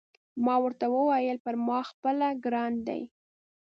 ما ورته وویل: پر ما خپله ګران دی.